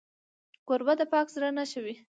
کوربه د پاک زړه نښه وي.